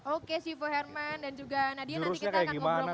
oke sifu herman dan juga nadia nanti kita akan ngobrol ngobrol lagi ya soal wushu